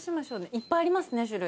いっぱいありますね種類。